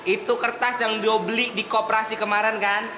itu kertas yang dia beli di kooperasi kemarin kan